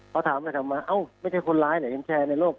พอถามนะครับเอ้าไม่ใช่คนร้ายแต่มีแชร์ในโลก